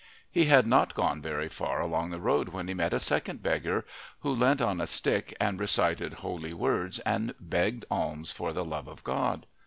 He had not gone very far along the road when he met a second beggar, who leant on a stick and recited holy words and begged alms for the love of God.